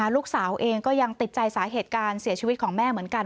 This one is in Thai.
ลูกสาวเองก็ยังติดใจสาเหตุการเสียชีวิตของแม่เหมือนกัน